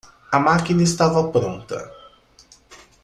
A máquina estava pronta